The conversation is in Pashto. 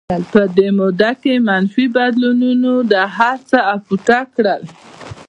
په دې موده کې منفي بدلونونو دا هرڅه اپوټه کړل